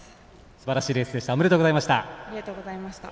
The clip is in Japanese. すばらしいレースでした。